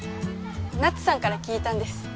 ナツさんから聞いたんです。